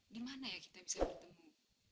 di mana ya kita bisa bertemu